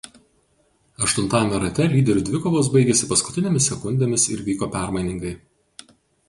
Aštuntajame rate lyderių dvikovos baigėsi paskutinėmis sekundėmis ir vyko permainingai.